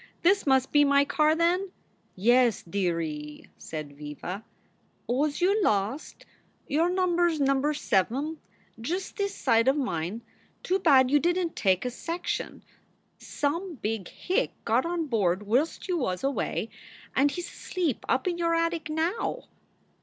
This must be my car, then." "Yes, dear^ree," said Viva. "Was you lost? Your number s number sev m, just this side of mine. Too bad you didn t take a section. Some big hick got on board whilst you was away, and he s asleep up in your attic now.